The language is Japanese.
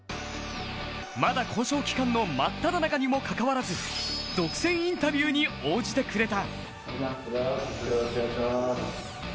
まだ交渉期間の真っただ中にもかかわらず、独占インタビューに応じてくれた。